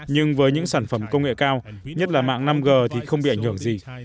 nhưng với những sản phẩm công nghệ cao nhất là mạng năm g thì không bị ảnh hưởng gì